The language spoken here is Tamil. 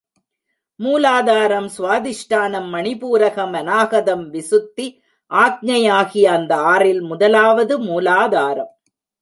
மூலாதாரம், சுவாதிஷ்டானம், மணிபூரகம், அநாகதம், விசுத்தி, ஆக்ஞை ஆகிய அந்த ஆறில் முதலாவது மூலாதாரம்.